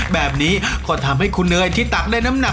แบบนี้ก็ทำให้คุณเนยที่ตักได้น้ำหนัก